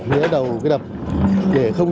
nhớ đầu cái đập để không